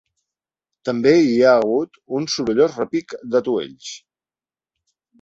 També hi ha hagut un sorollós repic d’atuells.